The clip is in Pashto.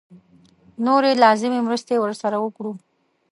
نورې لازمې مرستې ورسره وکړو.